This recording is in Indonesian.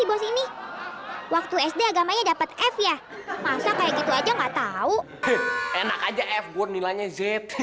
bos ini waktu sd agamanya dapat f ya masa kayak gitu aja nggak tahu enak aja f buat nilainya z